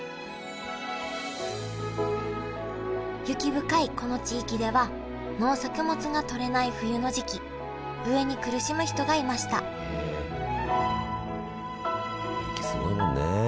雪深いこの地域では農作物がとれない冬の時期飢えに苦しむ人がいましたえ。